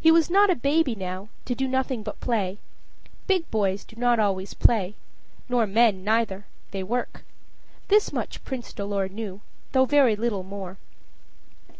He was not a baby now, to do nothing but play big boys do not always play. Nor men neither they work. Thus much Prince Dolor knew though very little more.